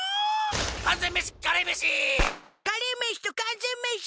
完全メシカレーメシカレーメシと完全メシ